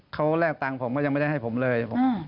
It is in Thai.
เขาแลกตังค์ผมก็ยังไม่ได้ให้ผมเลย